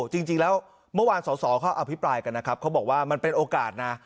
จริงแล้วเมื่อวานสอสอเขาอภิปรายกันนะครับเขาบอกว่ามันเป็นโอกาสนะ